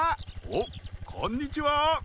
おっこんにちは！